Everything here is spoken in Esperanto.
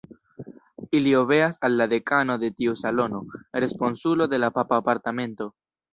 Ili obeas al la dekano de tiu salono, responsulo de la papa apartamento.